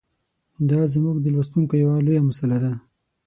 دا زموږ د لوستونکو یوه لویه مساله ده.